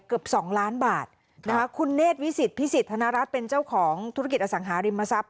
เกือบสองล้านบาทนะคะคุณเนธวิสิตพิสิทธนรัฐเป็นเจ้าของธุรกิจอสังหาริมทรัพย